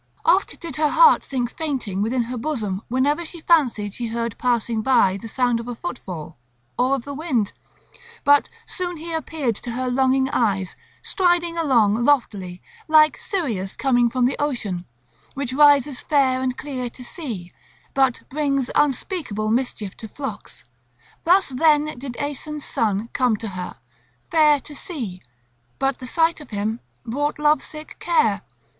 Oft did her heart sink fainting within her bosom whenever she fancied she heard passing by the sound of a footfall or of the wind. But soon he appeared to her longing eyes, striding along loftily, like Sirius coming from ocean, which rises fair and clear to see, but brings unspeakable mischief to flocks; thus then did Aeson's son come to her, fair to see, but the sight of him brought love sick care.